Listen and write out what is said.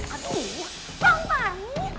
aduh bang parmin